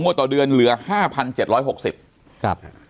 ๒งวดต่อเดือนเหลือ๕๗๖๐สตางค์